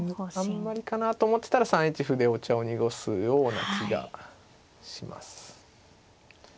あんまりかなと思ってたら３一歩でお茶を濁すような気がします。